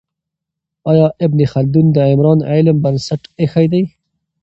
آیا ابن خلدون د عمران علم بنسټ ایښی دی؟